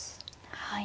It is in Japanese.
はい。